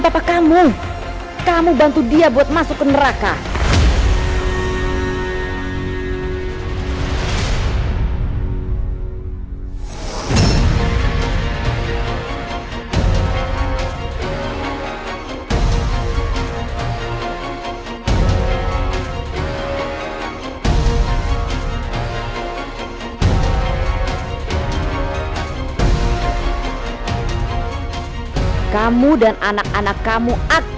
apakah kamu sudah melakukan tugas kamu dengan baik